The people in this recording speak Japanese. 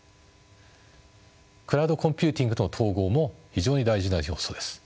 クラウドコンピューティングとの統合も非常に大事な要素です。